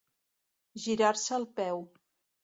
Girar-se el peu.